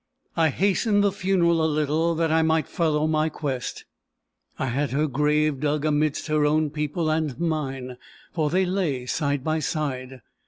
I hastened the funeral a little, that I might follow my quest. I had her grave dug amidst her own people and mine; for they lay side by side.